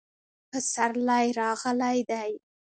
پسرلی راغلی دی